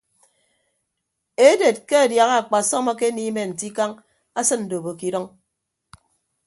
Eded ke adiaha akpasọm akeniime nte ikañ asịn ndobo ke idʌñ.